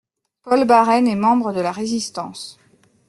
Paul Barennes est membre de la Résistance.